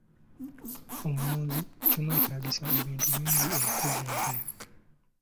Omulunzi kimweetaagisa ebintu bingi okukuza ente.